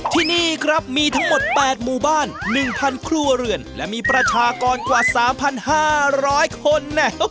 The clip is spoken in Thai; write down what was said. ที่นี่ครับมีทั้งหมด๘หมู่บ้าน๑๐๐ครัวเรือนและมีประชากรกว่า๓๕๐๐คน